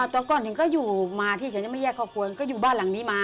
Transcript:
ตอนก่อนนี้ถึงก็อยู่มาที่ฉันยังไม่แยกครอบครัว